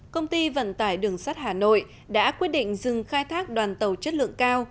công ty vận tải đường sắt hà nội đã quyết định dừng khai thác đoàn tàu chất lượng cao